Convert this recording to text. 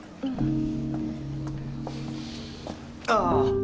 ああ！